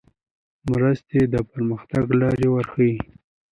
مرستې د پرمختګ لار ورښیي.